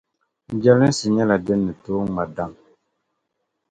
Jɛlinsi nyɛla din nitooi ŋma daŋ.